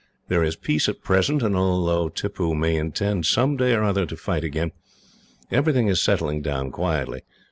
There is peace at present, and although Tippoo may intend, some day or other, to fight again, everything is settling down quietly.